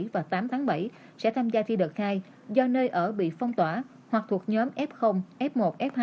và tám tháng bảy sẽ tham gia thi đợt hai do nơi ở bị phong tỏa hoặc thuộc nhóm f f một f hai